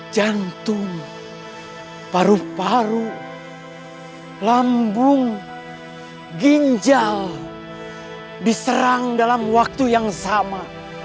jantung paru paru lambung ginjal diserang dalam waktu yang sama